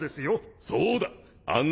そうだ。